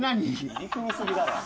入り組みすぎだろ。